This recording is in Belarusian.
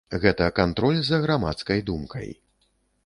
Гэта кантроль за грамадскай думкай.